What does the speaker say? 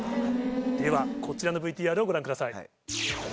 ではこちらのＶＴＲをご覧ください。